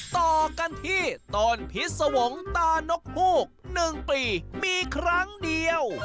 ต่อกันที่ต้นพิษวงศ์ตานกฮูก๑ปีมีครั้งเดียว